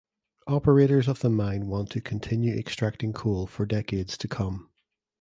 Operators of the mine want to continue extracting coal for decades to come.